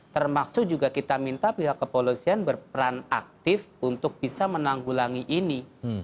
termasuk juga kita minta pihak kepolisian berperan aktif untuk bisa menanggulangi ini